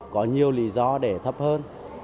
có nhiều lý do để thấp hơn